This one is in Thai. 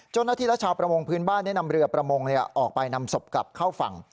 เจ้าหน้าที่และชาวประมงพื้นบ้านได้นำเรือประมงออกไปนำศพกลับเข้าฝั่ง